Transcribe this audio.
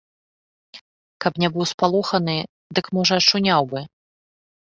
Каб не быў спалоханы, дык можа ачуняў бы.